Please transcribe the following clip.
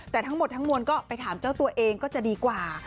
แต่ทั้งหมดทั้งมวลก็ไปถามเจ้าตัวเองก็จะดีกว่า